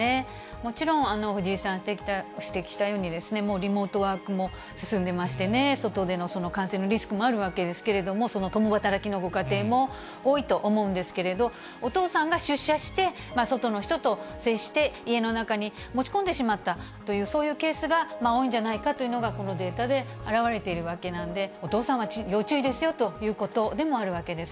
もちろん、藤井さんが指摘したように、もうリモートワークも進んでましてね、外での感染のリスクもあるわけですけれども、その共働きのご家庭も多いと思うんですけれど、お父さんが出社して、外の人と接して家の中に持ち込んでしまったという、そういうケースが多いんじゃないかというのが、このデータで表れているわけなんで、お父さんは要注意ですよということでもあるわけです。